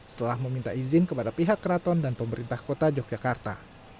setelah meminta izin kepada pihak keraton dan pemerintah kota yogyakarta